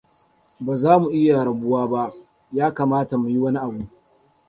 Baza mu iya rabuwa ba. Ya kamata muyi wani abu.